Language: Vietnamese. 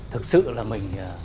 thực sự là mình